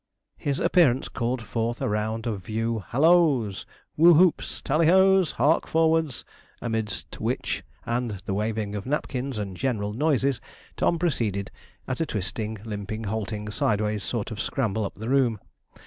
His appearance called forth a round of view halloos! Who hoops! Tally ho's! Hark forwards! amidst which, and the waving of napkins, and general noises, Tom proceeded at a twisting, limping, halting, sideways sort of scramble up the room.